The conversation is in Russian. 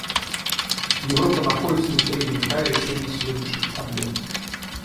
Европа находится на переднем крае решения сегодняшних проблем.